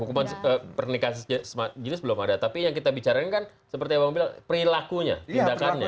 hukuman pernikahan sejenis belum ada tapi yang kita bicarakan kan seperti yang abang bilang perilakunya tindakannya